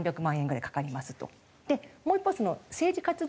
でもう一方は政治活動費。